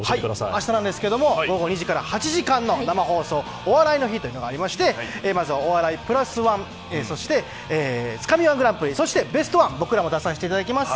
明日なんですけど、午後２時から８時間の生放送、「お笑いの日」というのがありましてまずは「お笑いプラスワン」そして「つかみ−１グランプリ」そして「ベストワン」、僕らも出させてもらいます。